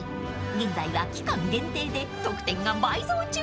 ［現在は期間限定で得点が倍増中］